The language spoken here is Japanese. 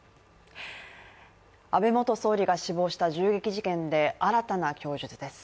安倍元総理が死亡した銃撃事件で新たな供述です。